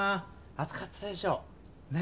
あつかったでしょ。ね。